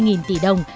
hơn hai mươi tỷ đồng